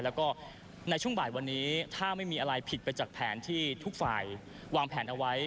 แล้วก็ในช่วงบ่ายวันนี้ถ้าไม่มีอะไรผิดไปจากแผนที่ทุกฝ่ายวางแผนเอาไว้